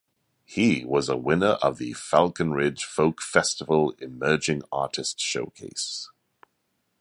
He was a winner of the Falcon Ridge Folk Festival Emerging Artist Showcase.